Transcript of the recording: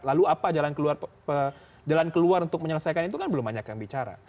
lalu apa jalan keluar untuk menyelesaikan itu kan belum banyak yang bicara